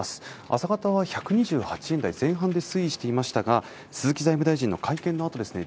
朝方は１２８円台前半で推移していましたが鈴木財務大臣の会見のあとですね